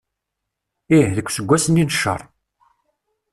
Ih, deg useggas-nni n cceṛ.